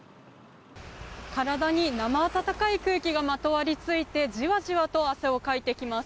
体に生暖かい空気がまとわりついてじわじわと汗をかいてきます。